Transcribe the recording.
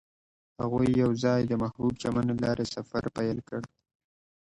هغوی یوځای د محبوب چمن له لارې سفر پیل کړ.